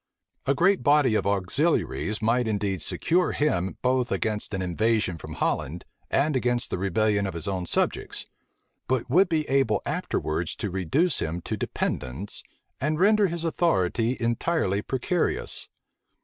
A great body of auxiliaries might indeed secure him both against an invasion from Holland, and against the rebellion of his own subjects; but would be able afterwards to reduce him to dependence, and render his authority entirely precarious.